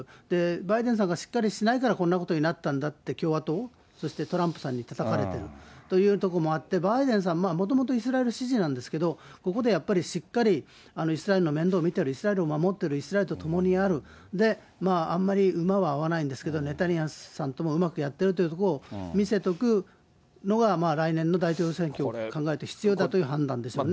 バイデンさんがしっかりしないから、こんなことになったんだって共和党、そしてトランプさんにたたかれてるというところもあって、バイデンさん、もともとイスラエル支持なんですけど、ここでやっぱりしっかりイスラエルの面倒見たり、イスラエルを守ってる、イスラエルと共にある、あんまりうまは合わないんですけど、ネタニヤフさんともうまくやってるというところを見せとく、来年の大統領選挙を考えて必要だという判断でしょうね。